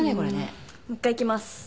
うんもう一回いきます。